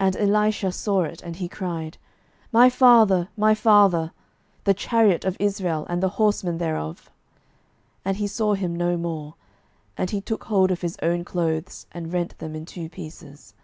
12:002:012 And Elisha saw it, and he cried, My father, my father, the chariot of Israel, and the horsemen thereof. And he saw him no more: and he took hold of his own clothes, and rent them in two pieces.